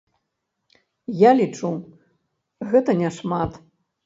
Я лічу, гэта няшмат.